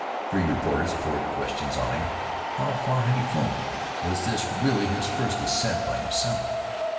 Three reporters poured questions on him. How far had he flown? Was this really his first ascent by himself?